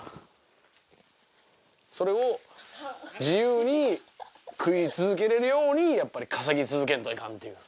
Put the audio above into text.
それを自由に食い続けられるようにやっぱり稼ぎ続けんといかんっていう。